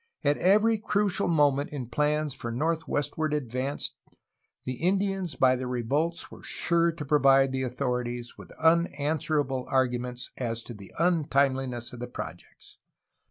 At every crucial moment in plans for northwestward advance the Indians by their revolts were sure to provide the authorities with unanswerable arguments as to the untimeliness of the projects.